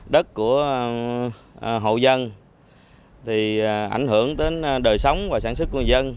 đất của hộ dân thì ảnh hưởng đến đời sống và sản xuất của dân